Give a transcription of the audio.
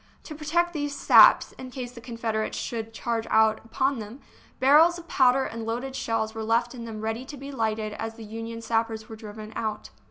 To protect these " saps," in case the Confederates should charge out upon them, barrels of powder and loaded shells were left in them ready to be lighted as the Union sappers were driven out.